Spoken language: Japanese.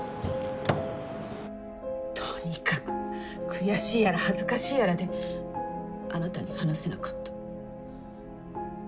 とにかく悔しいやら恥ずかしいやらであなたに話せなかった。